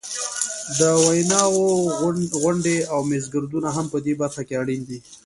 د ویناوو غونډې او میزګردونه هم په دې برخه کې اړین دي.